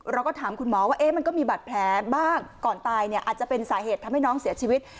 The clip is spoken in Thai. เราก็ถามคุณหมอว่ามันก็มีบาดแผลบ้างก่อนตายเนี่ยอาจจะเป็นสาเหตุทำให้น้องเสียชีวิต